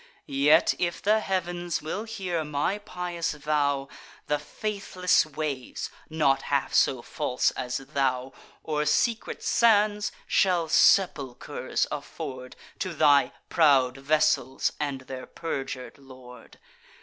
Yet, if the heav'ns will hear my pious vow, The faithless waves, not half so false as thou, Or secret sands, shall sepulchers afford To thy proud vessels, and their perjur'd lord.